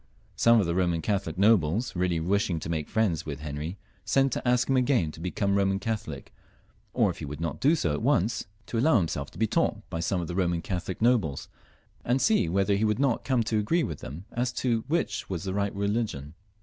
Some of the Boman Catholic nobles, really wishing to make friends with Henry, sent to ask him again to become a Boman Catholic, or, if he would not do so at once, to allow himself to be taught by some of the Boman Catholic nobles, and see whether he would not come to agree with them as to which was the right religion.